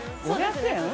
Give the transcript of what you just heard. ５００円？